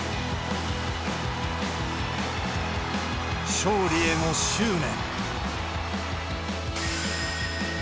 勝利への執念。